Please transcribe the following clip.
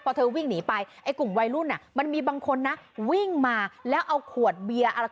พอเธอวิ่งหนีไปไอ้กลุ่มวัยรุ่นมันมีบางคนนะวิ่งมาแล้วเอาขวดเบียร์อะไร